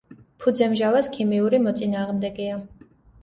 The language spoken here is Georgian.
ფუძე მჟავას ქიმიური მოწინააღმდეგეა.